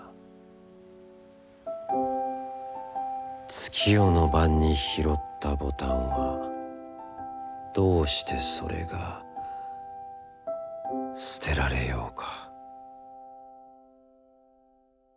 月夜の晩に、拾ったボタンはどうしてそれが、捨てられようか？」。